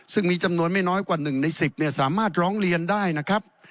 ซึ่งมีจำนวนไม่น้อยกว่า๑ใน๑๐สามารถร้องเรียนได้นะครับ